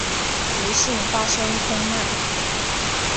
不幸发生空难。